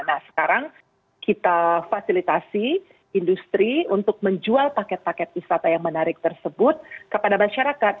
nah sekarang kita fasilitasi industri untuk menjual paket paket wisata yang menarik tersebut kepada masyarakat